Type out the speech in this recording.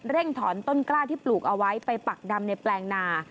ถอนต้นกล้าที่ปลูกเอาไว้ไปปักดำในแปลงนา